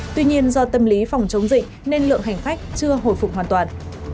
tuy nhiên do tâm lý phòng chống dịch nên lượng hành khách chưa hồi phục hoàn toàn